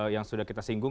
yang sudah kita singgung